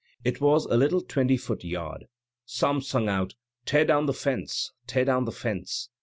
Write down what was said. It was a little twenty foot yard. Some sung out, * Tear down the fence ! tear down the fence